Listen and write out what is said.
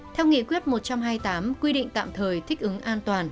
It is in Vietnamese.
theo nghị quyết một trăm hai mươi tám quy định tạm thời thích ứng an toàn